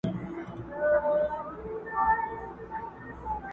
اوس به څوك له قلندره سره ژاړي!!